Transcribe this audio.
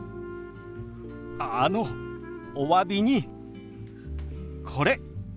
あのおわびにこれ。